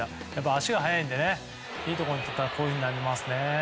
足が速いのでいいところにいったらこういうふうになりますね。